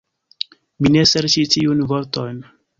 Mi ne serĉis tiujn vortojn.